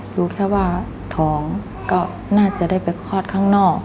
รู้แค่ว่าท้องก็น่าจะได้ไปคลอดข้างนอก